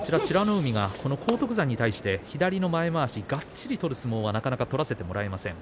海が荒篤山に対して左の前まわし、がっちり取る相撲はなかなか取らせてもらえません。